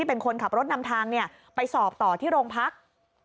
เป็นคนขับรถนำทางไปสอบต่อที่โรงพัก